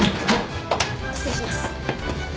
失礼します。